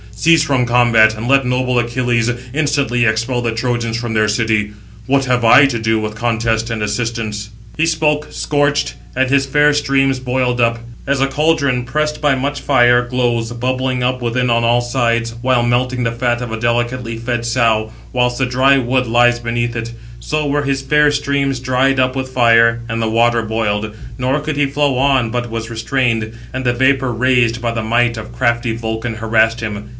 Cease from combat, and let noble Achilles instantly expel the Trojans from their city; what have I to do with contest and assistance?" He spoke, scorched; and his fair streams boiled up. As a caldron pressed by much fire, glows, bubbling up within on all sides, while melting the fat of a delicately fed sow, whilst the dry wood lies beneath it; so were his fair streams dried up with fire, and the water boiled; nor could he flow on, but was restrained, and the vapour [raised] by the might of crafty Vulcan harassed him.